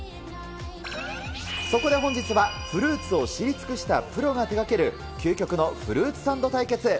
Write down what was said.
そこで本日は、フルーツを知り尽くしたプロが手がける、究極のフルーツサンド対決。